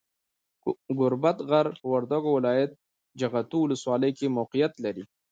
ګوربت غر، په وردګو ولایت، جغتو ولسوالۍ کې موقیعت لري.